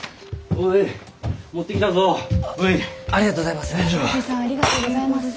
おじさんありがとうございます。